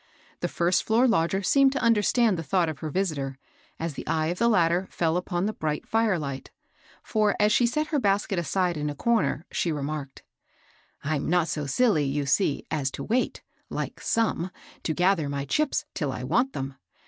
The first floor lodger seemed to understand the thought of her visitor, as the eye of the latter fell upon the bright fire light ; for, as she set her bas ket aside in a comer, she remarked, —*^ I'm not so siUy, yon see, as to wait, like some, to gather my chips till I want them.